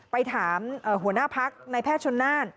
ไปถามหัวหน้าพักในแพทย์ชนน่าน